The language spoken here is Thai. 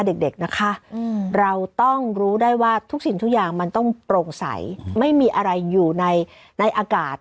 เด็กนะคะเราต้องรู้ได้ว่าทุกสิ่งทุกอย่างมันต้องโปร่งใสไม่มีอะไรอยู่ในอากาศ